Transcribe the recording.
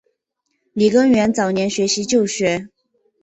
李根源早年学习旧学。